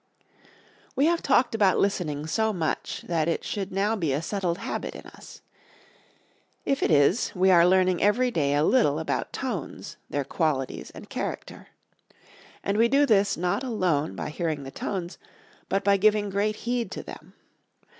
We have talked about listening so much that it should now be a settled habit in us. If it is we are learning every day a little about tones, their qualities and character. And we do this not alone by hearing the tones, but by giving great heed to them.